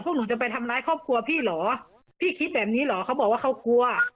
พวกหนูจะไปทำร้ายครอบครัวพี่เหรอพี่คิดแบบนี้เหรอเขาบอกว่าเขากลัว